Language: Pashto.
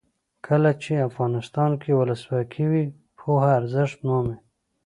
کله چې افغانستان کې ولسواکي وي پوهه ارزښت مومي.